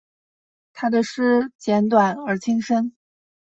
他的诗简短而精深。